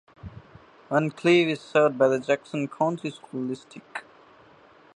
Vancleave is served by the Jackson County School District.